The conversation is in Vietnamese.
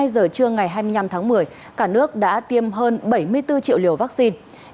hai mươi giờ trưa ngày hai mươi năm tháng một mươi cả nước đã tiêm hơn bảy mươi bốn triệu liều vaccine